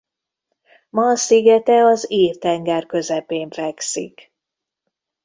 Man szigete az Ír-tenger közepén fekszik.